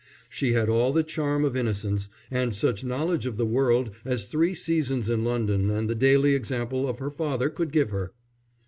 She had all the charm of innocence, and such knowledge of the world as three seasons in London and the daily example of her father could give her.